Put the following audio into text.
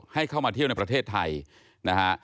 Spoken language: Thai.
ให้เข้ามาเที่ยวในประเทศไทยนะฮะ